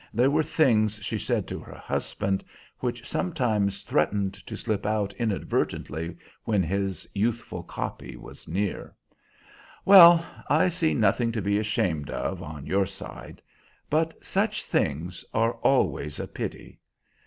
There were things she said to her husband which sometimes threatened to slip out inadvertently when his youthful copy was near. "Well, I see nothing to be ashamed of, on your side. But such things are always a pity.